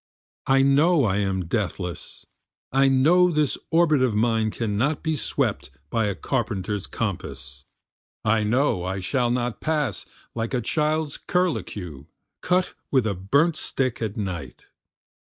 I know I am deathless, I know this orbit of mine cannot be swept by a carpenter's compass, I know I shall not pass like a child's carlacue cut with a burnt stick at night.